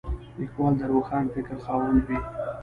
لیکوال د روښان فکر خاوند وي.